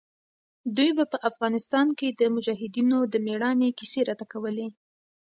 دوى به په افغانستان کښې د مجاهدينو د مېړانې کيسې راته کولې.